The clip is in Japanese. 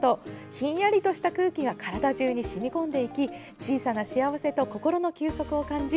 ひんやりとした空気が体中に染み込んでいき小さな幸せと心の休息を感じ